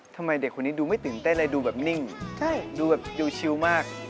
ทำไมเด็กคนนี้ดูไม่ตื่นเต้นเลยดูแบบนิ่งดูแบบดูชิวมาก